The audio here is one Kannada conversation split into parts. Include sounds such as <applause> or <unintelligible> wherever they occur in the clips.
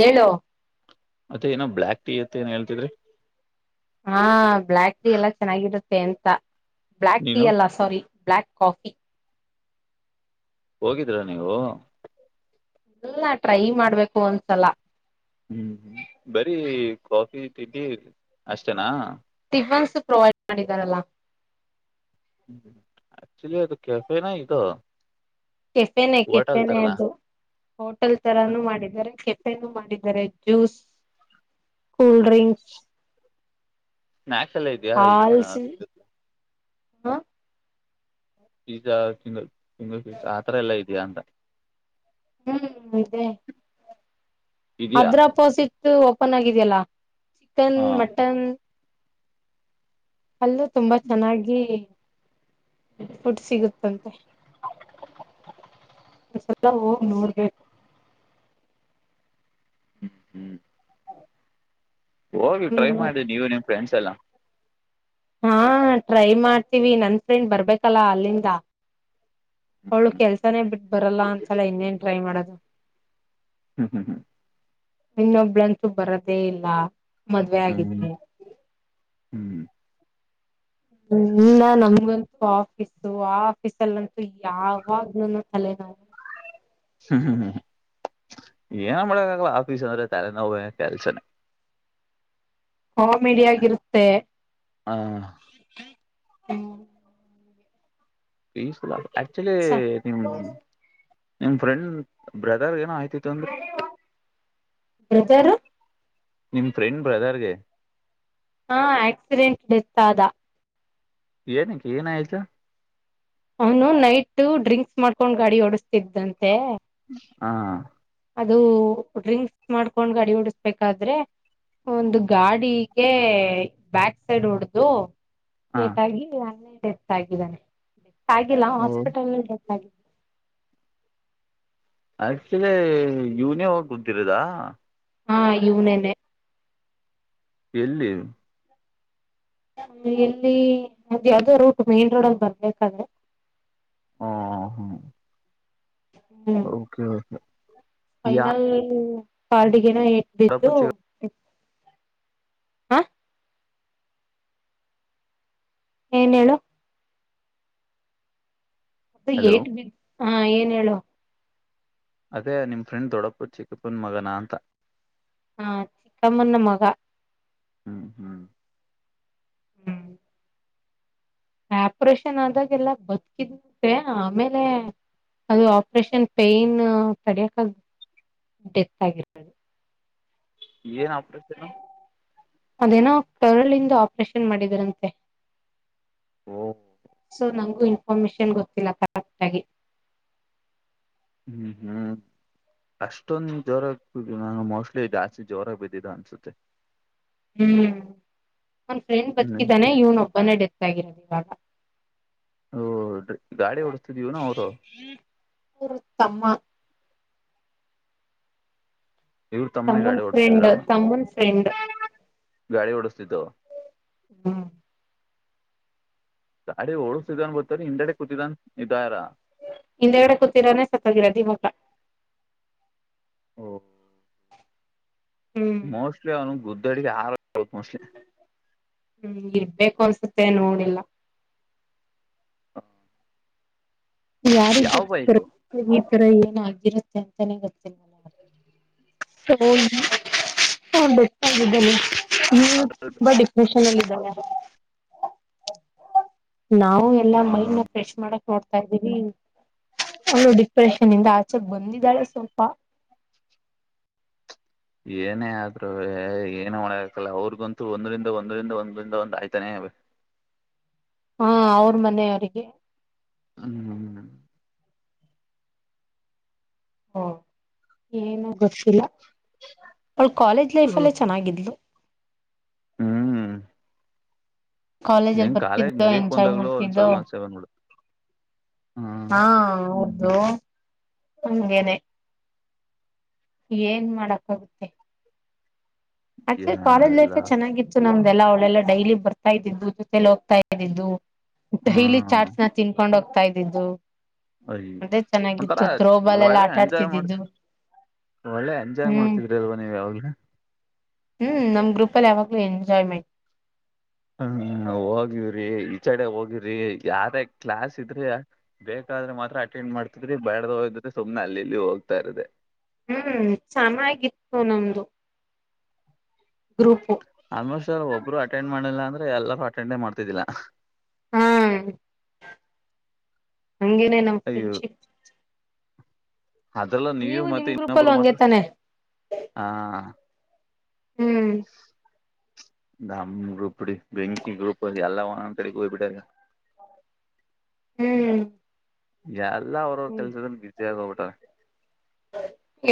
ಹೇಳು ಮತ್ತ ಏನ ಬ್ಲಾಕ್. ಹಾ ಬ್ಲಾಕ್ ಟೀ ಎಲ್ಲ ಚೆನ್ನಾಗಿರುತ್ತೆ ಎಂತ. ಬ್ಲಾಕ್ ಟೀ ನೀನು ಅಲ್ಲ ಸಾರಿ ಬ್ಲಾಕ್ ಕಾಫಿ. ಹೋಗಿದ್ರ ನೀವು. ಇಲ್ಲ ಟ್ರೈ ಮಾಡ್ಬೇಕು ಒಂದ್ಸಲ. ಹ್ಮ್ ಹ್ಮ್ ಬರೀ ಕಾಫಿ ತಿಂಡಿ ಅಷ್ಟೇನಾ. ಅಡ್ವಾನ್ಸ್ ಪ್ರೊವೈಡ್ ಮಾಡಿದಾರಲ್ಲ. ಹ್ಮ ಆಕ್ಚುದು ಕ್ಯಾಫೆ ನ ಇದೋ. ಕೆಫೆನೆ ಕೆಫೆನೆ ಅದು ಹೋಟೆಲ್ ತರಾನು ಮಾಡಿದ್ದಾರೆ ಕೆಫೆ. ಕೆಫೆನು ಮಾಡಿದ್ದಾರೆ ಜ್ಯೂಸ್ ಕೂಲ್ಡ್ರಿಂಕ್ಸ್. ನಾಕೆಲ್ಲ ಇದ್ಯಾ ಈಗ. ಹಾ ಪಿಜಾ ತಿಂಗ ತಿಂಗು ಪಿಜ್ಜಾ ಆತರ ಎಲ್ಲಾ ಇದಯಾ ಅಂತ. ಹ್ಮ್ ಇದೇ ಇದೆಯಾ ಅದ್ರ ಅಪೋಸಿಟ್ ಓಪನ್ ಆಗಿದೆಯಲ್ಲಾ ಚಿಕನ್ ಹಾಂ ಮಟನ್. ಅಲ್ಲೂ ತುಂಬಾ ಚೆನ್ನಾಗಿ ಫುಡ್ ಸಿಗುತ್ತಂತೆ. ಒಂದ್ಸಲ್ಲ ಹೋಗಿ ನೋಡ್ಬೇಕು. ಹ್ಮ್ ಹ್ಮ್ ಹೋಗಿ ಟ್ರೈ ಹ್ಮ್ ಮಾಡಿದ ನೀವು ನಿಮ್ ಫ್ರೆಂಡ್ಸ್ ಎಲ್ಲಾ ಹಾ ಟ್ರೈ ಮಾಡ್ತೀವಿ ನನ್ ಫ್ರೆಂಡ್ ಬರ್ಬೇಕಲ್ಲ ಅಲ್ಲಿಂದ ಅವಳು ಹ್ಞೂ ಕೆಲ್ಸಾನೇ ಬಿಟ್ಟ ಬರಲ್ಲ ಅಂತಸಲ್ಲ ಇನ್ನೇನ್ ಟ್ರೈ ಮಾಡೋದು ಹ್ಮ್ ಹ್ಮ್ ಹ್ಮ ಇನ್ನೊಬ್ಳಂತೂ ಬರದೇ ಇಲ್ಲ ಮದ್ವೆ ಹ್ಞೂ ಆಗಿದೆ ಹ್ಞೂ ಇನ್ನ ನಮಗಂತೂ ಆಫೀಸು ಆ ಆಫೀಸಲ್ಲಂತೂ ಯಾವಾಗ್ ತಲೆನಾವು ಹ್ಮ್ ಹ್ಮ್ ಏನಮ್ಮಳ ಆಲ ಆಫೀಸ್ ಅಂದ್ರೆ ತಲೆನವು ಕೆಲ್ಸನ ಕಾಮಿಡಿಯ ಆಗ ಇರುತ್ತೆ ಹಾಂ ಪೀಸ್ಫುಲ್ ಆಕ್ಚುಲಿ ನಿಮ ನಿಮ್ ಫ್ರೆಂಡ್ ಬ್ರದರ್ ಏನೋ ಆಯ್ತು ಬತಾರು ನಿಮ್ ಫ್ರೆಂಡ್ ಬ್ರದರ್ಗೆ ಹಾ ಆಕ್ಸಿಡೆಂಟ್ ಡೆತ್ ಆದ ನ ಕ ಏನಯತ ಅವನು ನೈಟ್ ಡ್ರಿಂಕ್ಸ್ ಮಾಡ್ಕೊಂಡ್ ಗಾಡಿ ಓಡಸ್ತಿದ್ದಂತೆ ಹಾ ಅದು ಡ್ರಿಂಕ್ಸ್ ಮಾಡ್ಕೊಂಡ್ ಅಡಿ ಡಸ್ಬೇಕಾದ್ರೆ ಒಂದು ಗಾಡಿಗೆ ಬ್ಯಾಕ್ ಸೈಡ್ ಹೊಡ್ದು ಹಾ ೇಟ್ಾಗಿ ಅನ್ನೇ ಡೆತ್ ಆಗಿದ್ದಾನೆ ಡೆತ್ ಆಗಿಲ್ಲ ಹ್ಮ್ ಹಾಸ್ಪಿಟಲ್ ನಲ್ಲಿ ಡೆ ಹಾಗ ಆಕ್ಚುಲಿ ಇವ್ನೇ ಹೋಗಿ ಗೊತ್ತಿರದ ಹಾ ಇವನೇನೆ ಎಲ್ಲಿ ಎಲ್ಲಿ ಯಾವದೋ ರೂಟ್ ಮೈನ್ ರೋಡ್ ಅಂತ ಬರ್ಬೇಕಾದ್ರೆ ಹಾ ಹಾ ಹ್ಮ್ ಯಾ ಫೈನಲ್ ಕಾಲ್ಡಿಗೆನ ಎಟ್ ದೊಡ್ಡಪ್ಪ ಬಿದ್ದು ಚಿಕ್ಕ ಹ ಏನ ಹೇಳು ಅ ಹಲೋ ಏಟ್ ಬಿ ಹಾ ಏನ್ ಹೇಳು ಅದೇ ನಿಮ್ಮ ಫ್ರೆಂಡ್ ದೊಡ್ಡಪ್ಪ ಚಿಕ್ಕಪ್ಪನ ಮಗನ ಅಂತ ಹಾ ಚಿಕ್ಕಮ್ಮಣ್ಣ ಮಗ ಹ್ಮ್ ಹ್ಮ್ ಹ್ಮ್ ಆಪ್ರೇಷನ್ ಆದಾಗ ಎಲ್ಲ ಬದುಕಿದಂತೆ ಆಮೇಲೆ ಅದು ಆಪರೇಷನ್ ಪೇನ್ ತಡಿಯಕ ಡೆತ್ ಆಗಿರ್ತದು ಏನ್ ಆಪ್ರಷನ್ ಅದೇನೋ ಕರಳಿಂದ ಆಪರೇಷನ್ ಮಾಡಿದರಂತೆ ಓ ಸೊ ನಂಗೂ ಪಮಿಷನ್ ಗೊತ್ತಿಲ್ಲ ಕರೆಕ್ಟ್ ಆಗಿ ಹ್ಮ್ ಹ್ಮ್ ಅಷ್ಟೊಂದು ಜ್ವರ ನ ಮೋಸ್ಟ್ಲಿ ಜಾಸ್ತಿ ಜ್ವರ ಬಿದ್ದಿದ್ದ ಅನ್ಸುತ್ತೆ ಹ್ಮ್ ಒಂದ ಫ್ರೆಂಡ್ ಹ್ಮ್ ಬದುಕಿದ್ದಾನೆ ಇವ್ನ ಒಬ್ಬನೇ ಡೆತ್ ಆಗಿರೋದು ಇವಾಗ ಹಓ ಗಾಡಿ ಹೊಓಡಸ್ತಿದೀವ ನ ಅವರು ಅವ್ರ ತಮ್ಮ ಇವ್ರ ತಮ್ಮನ ತಮ್ಮನ್ ಗಾಡಿ ಓಡ್ಸ್ತಿದ್ರ ಫ್ರೆಂಡ್ ತಮ್ಮನ್ ಫ್ರೆಂಡ್ ಗಾಡಿ ಡುಸತಿತ್ತು ಹ್ಮ್ ಗಾಡಿ ಹೊಳ್ಸಿದನ್ ಬತ್ತಾರ ಹಿಂದೆಡೆ ಕೂತಿದನ್ ಇದಾರ ಹಿಂದೆಗಡೆ ಕೂತರಾನೆ ಸತ್ಯಗಿರದಿ ಹಟ ಓ ಹ್ಮ್ ಮೋಸ್ಟ್ಲಿ ಅವನು ಗುದ್ದಡ ಆರ ಮೋಸ್ಟ್ಲಿ ಹ್ಮ್ ಇರ್ಬೇಕು ಅನ್ಸುತ್ತೆ ನೋಡಿಲ್ಲ ಯಾರಿ ಯಾವ ಜೊತೆ ಬೈಕು ಕರ್ವಿ ಈ ತರ ಏನಗರುತ್ತೆ ಅಂತಾನೇ ಗೊತ್ತಿಲ್ಲ ನಗೆ ಹ ಆದ್ದೇನೆ ನೀ ಅದ್ರದ್ದು ತುಂಬಾ ಡಿಪ್ರೆಷನ್ ಚೆನ್ನ ನಾವು ಎಲ್ಲಾ ಹ ಮೈಂಡ್ ನ ಫ್ರೆಶ್ ಮಾಡಕ್ ನೋಡ್ತ ತಂದೀರಿ ಅಲ್ಲು ಡಿಪ್ರೆಷನ್ ಇಂದ ಆಚೆೆಗೆ ಬಂದಿದ್ದಾಳೆ ಸ್ವಲ್ಪ ಏನೇ ಆದ್ ಏನ ಮಾಡಕಲ್ಲ ಅವ್ರಿಗಂತೂ ಒಂದ್ರಂದ ಒಂದರಿಂದ ಒಂದರಿಂದ ಒಂದ ಆಯ್ತಾನೇ ಆಬೇಕು <inaudible> ಹಾ ಅವ್ರ ಮನೆಯವರಿಗೆ ಹ್ಮ್ ಹ್ಮ್ ಹಾ ಏನು ಗೊತ್ತಿಲ್ಲ ಅವಳ ಕಾಲೇಜ್ ಲೈಫ್ಲ್ಲೇ ಚೆನ್ನಾಗಿದ್ಲು ಹ್ಮ್ ಕಾಲೇಜ ಅಲ್ಲಿ ನಿಂಗ್ ಕಾಲೇಜ್ ಬರ್ತಿದ್ದು ಮುಗಿಯಕ್ ಎಂಜಾಯ್ ಬಂದಾಗ್ಲೂ ಒಂದ್ ಮಾಡ್ತಿದ್ದು ಸಮಸ್ಯೆ ಬಂದ್ಬಿಡು ಹ್ಮ್ ಹಾ ಹೌದು ಹಂಗೇನೆ ಏನ್ ಮಾಡಕ್ಕಾಗುತ್ತೆ ಆಕ್ಚು ಕಾಲೇಜ್ ಎಲ್ಲ ಲೈಫ್ ಚೆನ್ನಾಗಿತ್ತು ನಮ್ಗೆ ದೆಲ್ಲ ಅವಳೆಲ್ಲ ಡೈಲಿ ಬರ್ತಾ ಇದ್ದಿದ್ದು ಜೊತೇಲಿ ಹೋಗ್ತಾ ಇದ್ದಿದ್ದು ಡೈಲಿ ಹ್ಮ್ ಚಾಟ್ಸ್ ನ ತಿನ್ಕೊಂಡ್ ಹೋಗ್ತಾ ಇದ್ದಿದ್ದು ಅಯ್ ಅದೇ ಒಂಥರ ಚೆನ್ನಾಗಿತ್ತು ಆಯ್ತು ಥ್ರೋಬಾಲ್ ಎಲ್ಲ ಒಳ್ಳೆ ಆಟ ಎಂಜಾಯ್ ಮಾಡ ಆಡ್ತಿದ್ದಿದ್ದು ಒಳ್ಳೆ ಎಂಜಾಯ್ ಹ್ಮ್ ಮಾಡ್ತಿದ್ರಿ ಅಲ್ವಾ ನೀವ್ ಯಾವ ಹ್ಮ್ ನಮ್ ಗ್ರೂಪ ಅಲ್ಲಿ ಯಾವಾಗ್ಲೂ ಎಂಜಾಯ್ಮೆಂಟ್ ಹ್ಮ ಹೋಗಿವ್ರಿ ಈಚಡೆ ಹೋಗವ್ರಿ ಯಾರೇ ಕ್ಲಾಸ್ ಇದ್ರ ಬ ಆದ್ರೆ ಮಾತ್ರ ಅಟೆಂಡ್ ಮಾಡ್ತಿದ್ರಿ ಬೇಡದ ಹೋಗಿದ್ರೆ ಸುಮನೆ ಅಲ್ಲಿ ಹೋಗ್ತಾ ಇದೆ ಹ್ಮ್ ಚೆನ್ನಾಗಿತ್ತು ನಮ್ದು ಗ್ರೂಪು ಆಲ್ಮೋಸ್ಟ್ ಒಬ್ರು ಅಟೆಂಡ್ ಮಾಡಿಲ್ಲ ಅಂದ್ರೆ ಎಲ್ಲರೂ ಅಟೆಂಡೇ ಮಾಡ್ತಿದ್ದಿಲ್ಲಾ ಹಾ ಹಂಗೇನೆ ನಮ್ಮ್ ಫ್ರೆಂಡ್ಶಿಪ್ ಅದೆಲ್ಲ ನೀವು ನಿಮ್ ಮತ್ತೆ ಗ್ರೂಪ್ ಅಲ್ಲೂ ಇನ್ನೊಬ್ಬರು ಹಂಗೆ ಮಾತ್ರ ತಾನೆ ಹಾ ಹ್ಮ್ ನಮ್ ಗ್ರೂಪ್ಡಿ ಬೆಂಕಿ ಗ್ರೂಪ್ ಅ ಎಲ್ಲ ಒ ಅಂತ ಹೋಗಯ್ಬಿಟ್ಟಾರ <inaudible> ಹ್ಮ್ ಯಾರು ಹ್ಮ್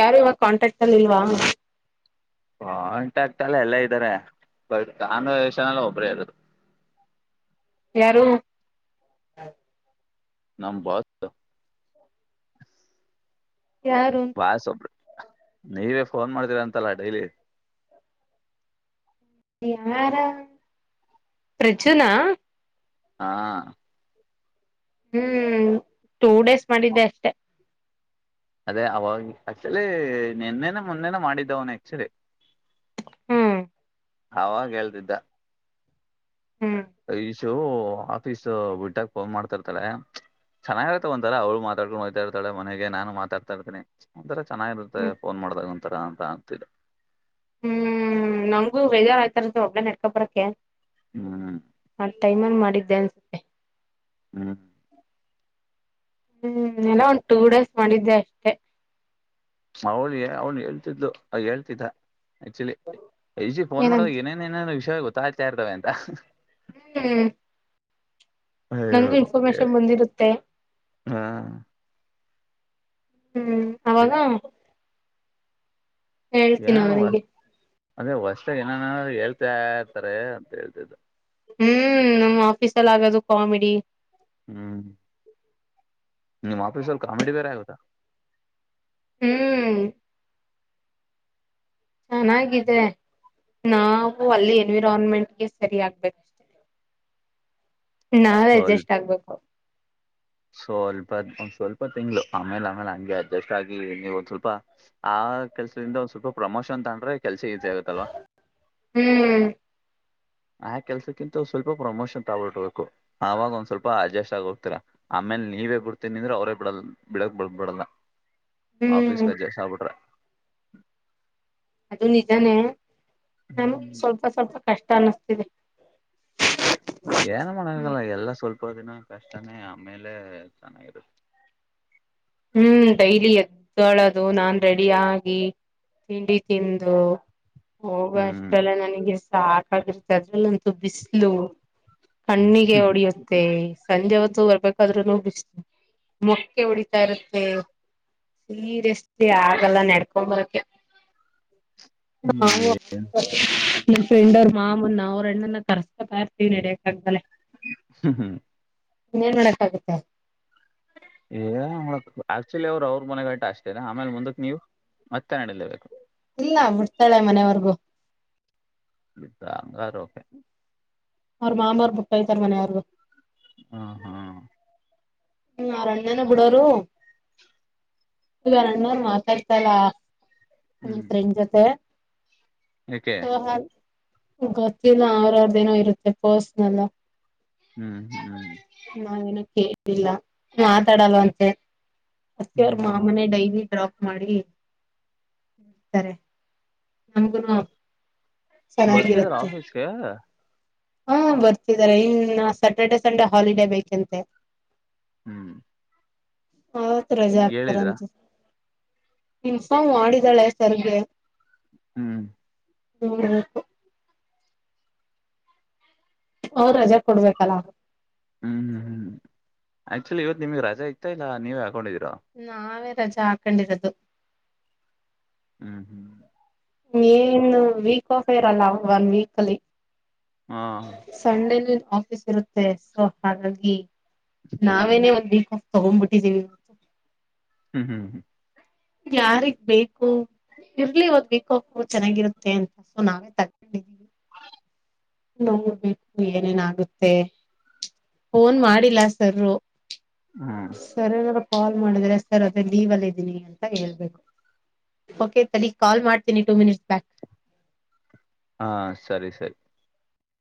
ಯಾರು ಇವಾಗ ಕಾಂಟಾಕ್ಟ್ ಅಲ್ಲಿ ಇಲ್ವಾ <unintelligible> ಹಂಟ ಆತ ಅಲ್ಲ ಎಲ್ಲ ಇದ್ದಾರೆ ಬಟ್ ನಾನುಷನಲ್ಲ ಒಬ್ಬ್ರೇ ಅದು <inaudible> ಯಾರು ನಮ್ಮ ಬಸ್ ಯಾರು ಬಾಯಸೊಬ್ರಿ ನೀವೇ ಫೋನ್ ಮಾಡಿದೀರ ಅಂತಲ್ಲ ಡೈಲಿ ಯಾರ ಪ್ರಚುನಾ ಹಾ ಹ್ಮ್ ಟೂ ಡೇಸ್ ಮಾಡಿದ್ದೆ ಅಷ್ಟೆ ಅದೇ ಅವಾಗ ಆಕ್ಚಲಿ ನಿನ್ನೆನ ಮುನ್ನೆನ ಮಾಡಿದ್ದವನ ಆಕ್ಚುಲಿ ಹ್ಮ್ ಅವಾಗ ಹೇಳೇತಿದ್ದ ಹ್ಮ್ ಈಶು ಆಫೀಸ್ ಬಿಟ್ಟಾಗ ಫೋನ್ ಮಾಡ್ತರ್ತಾಳೆ ಚೆನ್ನಾಗಿರತ ಒಂತರ ಅವಳ ಮಾತಾಡ್ಕೊಂಡು ಹಯ್ತಾ ಇರ್ತಾಳ ಮನೆಗೆ ನಾನು ಮಾತಾತಾ ಇರ್ತೀನಿ ಒಂತರ ಚೆನ್ನಾಗಿರುತ್ತೆ ಹ್ಮ್ ಫೋನ್ ಮಾಡ್ದಾಗ ಒಂತರ ಅಂತ ಅಂತಿಲ್ಲ ಹ್ಮ್ ನಂಗಂಗೂ ಬೇಜಾರ ಆಯ್ತಾರ ಒಬ್ಬಳ ನೆಡ್ಕೊ ಬರಕ್ಕೆೆ ಹ್ಮ್ ಆ ಟೈಮನ್ ಮಾಡಿದ್ದೆ ಅನ್ಸೆ ಹ್ಮ ಹ್ಮ್ ಎಲ್ಲ ಒಂದ್ ಟೂ ಡೇಸ್ ಮಾಡಿದ್ದೆ ಅಷ್ಟೆ ಅವಳಿ ಅವ್ನು ಹೇಳ್ತಿದ್ದು ಅ ಹೇಳ್ತಿದ್ದ ಆಕ್ಚುಲಿ ಐಜಿ ಫೋನ್ ಮಾಡೋಾಗ ಏನಂತ ಏನೇನ್ ಏನೇನ ವಿಷಯ ಗೊತ್ತಾಯ್ತಾ ಇರ್ತವೆ ಅಂತ. ಹ್ಮ್ ಅಯ್ಯೋ ನಂಗಗೆ ಇನ್ಫಾರ್ಮೇಶನ್ ಬಂದಿರುತ್ತೆ ಹಾ ಹ್ಮ್ ಅವಾಗಾ ಹೇಳ್ತೀನ ಅವನಿಗೆ ಅಂದ್ರೆ ವರ್ಷಾಗ ಏನನರು ಹೇಳ್ತಾ ಇರ್ತಾರೆ ಅಂತ ಹೇಳ್ತಿದ್ದು ಹ್ಮ್ ನಮ್ಮ್ ಆಫೀಸಲ್ಲಿ ಆಗೋದು ಕಾಮಿಡಿ ಹ್ಮ್ ನಿಮ್ಮ್ ಆಫೀಸ್ ಅಲ್ಲಿ ಕಾಮಿಡಿ ಬೇರೆ ಆಗುತ್ತಾ ಹ್ಮ್ ಚೆನ್ನಾಗಿದೆ ನಾವು ಅಲ್ಲಿ ಎನ್ವಿರಾನ್ಮೆಂಟ್ ಸರಿ ಆಗ್ಬೇಕ ನಾವ್ ಸ್ವಲ್ಪ ಅಡ್ಜಸ್ಟ್ ಆಗ್ಬೇಕು. ಸ್ವಲ್ಪ ಸ್ವಲ್ಪ ತಿಂಗ್ಳ ಆಮೇಲೆ ಆಮೇಲೆ ಹಂಗೆ ಅಡ್ಜಸ್ಟ್ ಆಗಿ ನೀವು ಒಂದ ಸ್ವಲ್ಪ ಆ. ಆ ಕೆಲ್ಸದಿಂದ ಒಂದ್ ಸ್ವಲ್ಪ ಪ್ರಮೋಷನ್ ತೊಂಡ್ರೆ ಕೆಲ್ಸ ಈಸಿ ಆಗುತ್ತಲ್ವಾ ಹ್ಮ್ ಆ ಕೆಲ್ಸಕ್ಕಿಂತ ಸ್ವಲ್ಪ ಪ್ರಮೋಷನ್ ತಗಬಿಡ್ಬೇಕು ಅವವಾಗ ಒಂದ್ ಸ್ವಲ್ಪ ಅಡ್ಜಸ್ಟ್ ಆಗ ಹೋಗ್ತರ ಆಮ ಆೇಲೆ ನೀವೇ ಬಿಡ್ತೀನಿಂದ್ರೆ ಅವ್ರೇ ಬಿಡಲ್ ಬಿಡಕ್ ಬಿ ಬಿಡಲ್ಲ ಆಫೀಸ್ ಹ್ಮ್ ಕಜ್ಜಸ್ ಆಗ್ಬಿಟ್ರೆ. ಅದು ನಿಜಾನೇ ನಮಗೆ ಹ್ಮ್ ಸ್ವಲ್ಪ ಸ್ವಲ್ಪ ಕಷ್ಟ ಅನಿಸ್ತಿದೆ <unintelligible> ಏನ್ ಮಾಡಕಲ್ಲ ಎಲ್ಲ ಸ್ವಲ್ಪ ದಿನ ಕಷ್ಟನೇ ಆಮೇಲೆ ಚೆನ್ನಾಗಿರುತ್ತೆ ಹ್ಮ್ ಡೈಲಿ ಎದ್ದಳದು ನಾನ್ ರೆಡಿ ಆಗಿ ತಿಂಡಿ ತಿಂದು ಹೋಗ ಹ್ಮ್ ಅಷ್ಟಲ್ಲ ನನಗೆ ಸಾಕಾಗಿರುತ್ತೆ ಅದ್ರಲ್ಲಂತು ಬಿಸ್ಲು ಹ್ಮ್ ಕಣ್ಣಿಗೆ ಹ್ಮ್ ಹೊಡಿಯುತ್ತೆ ಸಂಜೆ ಹೊತ್ತು ಬರ್ಬೇಕಾದ್ರೂ ಬಿಸ ಮಕ್ಕೆ ಹೊಡ ತ ಇರುತ್ತೆ ಸೀರಿಯಸ್ಲಿ ಆಗಲ್ಲ ನೆಡ್ಕೊ್ಂಬರಕ ಹಾ ನ ಫ್ರೆಂಡ್ ಅವ ಮಾಮ್ಮ ನಾ ಣ್ಣನ್ನ ತರ್ಸ್ಕೊತ ಇತವಿ ನಡಕ್ಾಗಲೆ ಹ್ಮ್ ಹ್ಮ್ ಇನ್ನ ಏನ್ ಮಾಡಕ್ಕಾಗುತ್ತೆ ಏ ಆಕ್ಚುಲಿ ಅವ್ರು ಅವ್ರ ಮನೆಗಳಟ ಅಷ್ಟೇನೆ ಆಮೇಲೆ ಮುಂದಕ್ ನೀವು ಮತ್ತೆ ನಡಲೇಬೇಕು ಇಲ್ಲ ಬಿಡ್ತಾಳೆ ಮನವರ್ಗೂ ಇಂಗಾರಓಕೆ ಅವ್ರ ಮಾಮ್ರ ಪುಟ್ಟ ಯ್ತಾರ ಮನ್ ಯಾರ್ಗು ಹಾ ಹಾ ಹ್ಮ್ ಅರನ್್ಯನ ಬಿಡೋರು ಈಗ ಅಣ್ಣ ಮಾತಾಡ್ತಲ್ಲ ಹ್ಮ್ ನೆಂಡ್ ಜೊತೆ ಏಕೆ ಗೊತ್ತಿಲ್ಲ ಅವ್ರ ಅವರ್ದ ಏನೋ ಇರುತ್ತೆ ಪರ್ಸ್ನಲ್ಲ ಹ್ಮ್ ಹ್ಮ್್ಮ್ ನಾವೇನ ಕೇಳಲಿಲ್ಲ ಮಾತಾಡಲ್ಲ ಅಂತೆ ಅೆ ಅವ್ರ ಹ್ಮ್ ಮಾಮನ ಡೈರಿ ಡ್ರಾಪ್ ಮಾಡಿತಾರೆ ನಮಗು ಬರ್ತಿದಾರ ಚೆನ್ನಾಗಿರುತ್ತೆ ಆಫೀಸ್ಗೆ ಹಾ ಬರ್ತಿದ್ದಾರೆ ಇನ್ನ ಸ್ಯಾಟರ್ಡೆ ಸಂಡೇ ಹಾಲಿಡೇ ಬೇಕಂತೆ ಹ್ಮ್ ಆೌತ್ ರಜೆ ಹೇಳಿದ್ರ ಆಗ್ತಾರಂತೆ ಇನ್ಫಾರ್ಮ್ ಮಾಡಿದಾಳೆ ಸರ್ಗೆ ಹ್ಮ್ ಹ್ಮ ಅವ್ ರಜಾ ಕೊಡ್ಬೇಕಲ್ಲ ಹ್ಮ್ ಹ್ಮ್ ಹ್ಮ್್ ಆಕ್ಚುಲಿ ಇವತ್ತು ನಿಮಗ್ಗೆ ರಜ ಇತ್ತಾ ಇಲ್ಲ ನೀವೇ ಹಾಕೊಂಡಿದೀರಿ ನಾವೇ ರಜಾ ಆಕೊಂಡರುದು ಹ್ಮ್ ಹ್ಮ್. ಏನು ವೀಕ್ ಆಫ್ ಇರಲ್ಲ ಒನ್ ವೀಕಲ್ಲಿ. ಹಾ ಸಂಡೆನ್ ಆಫೀಸ್ ಇರುತ್ತೆ ಸೊ ಹಾಗಾಗಿ ನಾವೇನೆ ಒಂದ್ ತೊಗೊಂಡ ಬಿಟ್ಟಿದ್ದೀವಿ. ಹ್ಮ್ ಹ್ಮ್. ಯಾರಿಗ್ ಬೇಕು? ಇರ್ಲಿ ಒಂದ್ ವೀಕ್ ಆಫ ಚೆನ್ನಾಗಿರುತ್ತೆ ಅಂತ ಸೊ ನಾವೇ ತೊಕ್ಕೊಂಡಿನಿ. ನೋಡ್ಬೇಕು ಏನೇನಾಗುತ್ತೆ ಫೋನ್ ಮಾಡಿಲ್ಲ ಸರ್ರು. ಹ್ಮ್ ಸರ್ರ್ ಏನಾರ ಕಾಲ್ ಮಾಡಿದ್ರೆ ಸರ್ ಅದೇ ಲೀವ್ ಅಲ್ಲಿದ್ದೀನಿ ಅಂತ ಹೇಳ್ಬೇಕು. ಓಕೆ ಕಳೀಗ್ ಕಾಲ್ ಮಾಡ್ತೀನಿ ಟೂ ಮಿನಿಟ್ಸ್ ಬ್ಯಾಕ್. ಹಾ ಸರಿ ಸರಿ.